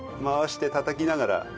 回してたたきながら。